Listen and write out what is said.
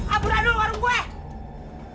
aburan dulu warung gue